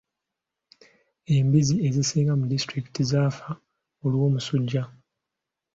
Embizzi ezisinga mu disitulikiti zaafa olw'omusujja.